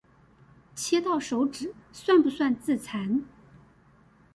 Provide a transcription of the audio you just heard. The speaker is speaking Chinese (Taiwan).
切到手指算不算自殘